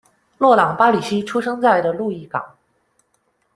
洛朗·巴里西出生在的路易港。